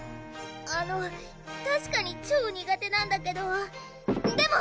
あのたしかに超苦手なんだけどでも！